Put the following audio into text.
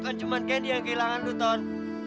tuhan cuman gendian kehilangan lo ton